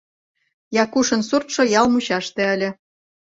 Якушын суртшо ял мучаште ыле.